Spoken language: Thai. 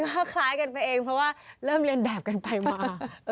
ก็คล้ายกันไปเองเพราะว่าเริ่มเรียนแบบกันไปมา